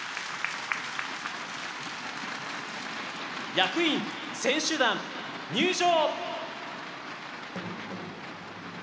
役員・選手団入場。